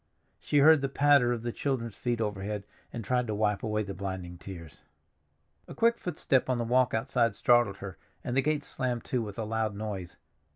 She heard the patter of the children's feet overhead, and tried to wipe away the blinding tears. A quick footstep on the walk outside startled her, and the gate slammed to with a loud noise.